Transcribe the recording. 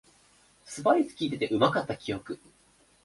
スパイスきいててうまかった記憶